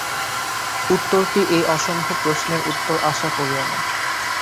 উত্তরটি এই অসম্ভব প্রশ্নের উত্তর আশা করিও না।